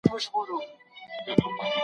لا تر اوسه پر کږو لارو روان یې